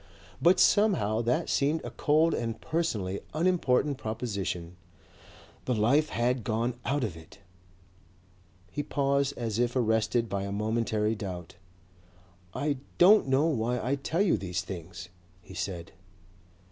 But somehow that seemed a cold and personally unimportant proposition. The life had gone out of it...." He paused as if arrested by a momentary doubt. "I don't know why I tell you these things," he said.